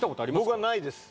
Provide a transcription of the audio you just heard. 僕はないです。